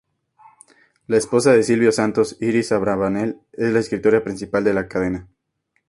La esposa de Silvio Santos, Iris Abravanel, es la escritora principal de la cadena.